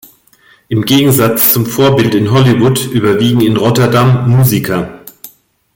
Im Gegensatz zum Vorbild in Hollywood überwiegen in Rotterdam Musiker.